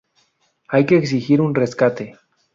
Hay que exigir un rescate.